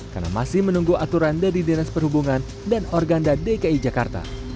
karena masih menunggu aturan dari dinas perhubungan dan organda dki jakarta